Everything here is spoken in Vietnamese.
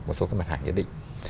một số cái mặt hàng nhất định